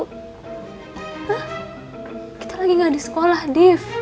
hah kita lagi nggak di sekolah div